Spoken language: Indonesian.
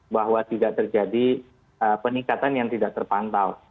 bahwa tidak terjadi peningkatan yang tidak terpantau